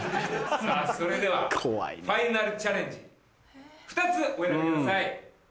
さぁそれではファイナルチャレンジ２つお選びください。